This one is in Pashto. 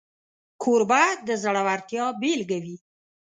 کوربه د زړورتیا بيلګه وي.